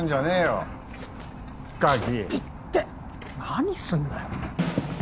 何すんだよ